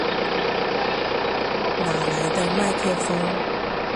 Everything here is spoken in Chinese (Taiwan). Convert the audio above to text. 哪來的麥克風